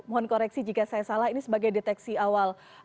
mohon koreksi jika saya salah ini sebagai deteksi awal